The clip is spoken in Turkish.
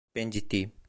Ben ciddiyim.